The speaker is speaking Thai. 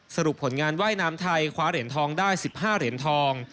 สรุปผลงานว่ายน้ำไทยคว้าเหรียญทองได้๑๕เหรียญทอง